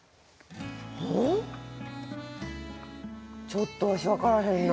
ちょっとわし分からへんな。